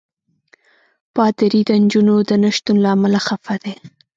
پادري د نجونو د نه شتون له امله خفه دی.